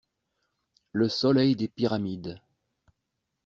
Le soleil des Pyramides!